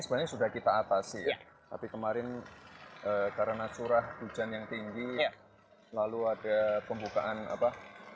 sebenarnya sudah kita atasi tapi kemarin karena curah hujan yang tinggi lalu ada pembukaan apa